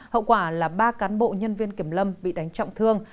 hậu quả là ba cán bộ nhân viên kiểm lâm bị đánh trọng thương